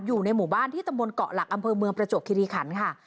อยู่ในหมู่บ้านที่ตำบลเกาะหลักอำเภอเมืองประจวบคิริขันค่ะ